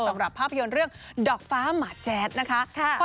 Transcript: สำหรับภาพยนตร์เรื่องดอกฟ้าหมาแจ๊ดนะคะ